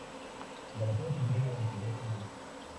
La batalla continuó durante dos semanas.